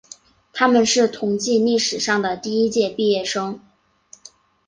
他们是同济历史上的第一届毕业生。